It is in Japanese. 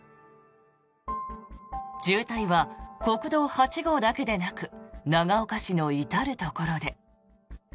渋滞は国道８号だけでなく長岡市の至るところで。